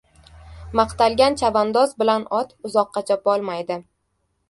• Maqtalgan chavandoz bilan ot uzoqqa chopolmaydi.